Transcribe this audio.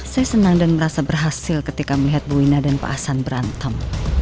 saya senang dan merasa berhasil ketika melihat bu ina dan pak hasan berantem